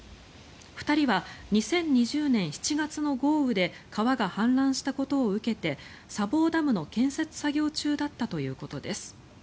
２人は２０２０年７月の豪雨で川が氾濫したことを受けて砂防ダムの建設作業中だったということです。